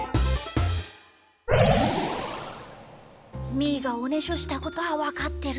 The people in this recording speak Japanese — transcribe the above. みーがおねしょしたことはわかってるんだ。